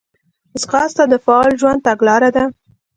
ځغاسته د فعاله ژوند تګلاره ده